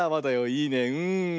いいねうん。